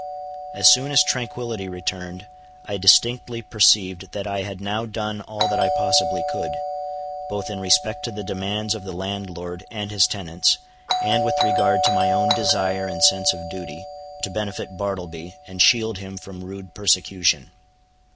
As soon as tranquility returned I distinctly perceived that I had now done all that I possibly could, both in respect to the demands of the landlord and his tenants, and with regard to my own desire and sense of duty, to benefit Bartleby, and shield him from rude persecution.